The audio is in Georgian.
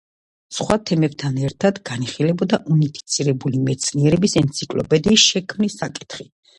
სხვა თემებთან ერთად განიხილებოდა „უნიფიცირებული მეცნიერების ენციკლოპედიის“ შექმნის საკითხი.